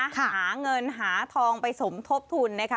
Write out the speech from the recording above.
สนุนโดยอีซุสุข